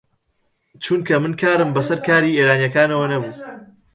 چونکە من کارم بە سەر کاری ئێرانییەکانەوە نەبوو